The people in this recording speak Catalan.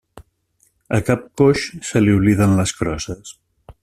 A cap coix se li obliden les crosses.